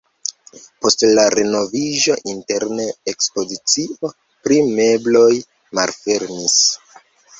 Post la renoviĝo interne ekspozicio pri mebloj malfermis.